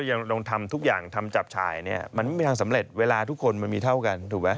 ยังต้องทำทุกอย่างทำจับฉายเนี่ยมันไม่มีทางสำเร็จเวลาทุกคนมันมีเท่ากันถูกไหม